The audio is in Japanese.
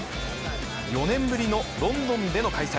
４年ぶりのロンドンでの開催。